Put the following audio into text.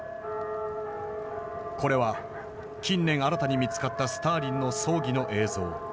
これは近年新たに見つかったスターリンの葬儀の映像。